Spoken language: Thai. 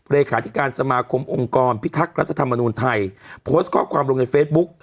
เลขาธิการสมาคมองค์กรพิทักษ์รัฐธรรมนูญไทยโพสต์ข้อความลงในเฟซบุ๊ก